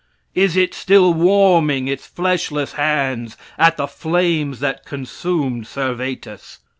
Is it still warming its fleshless hands at the flames that consumed Servetus?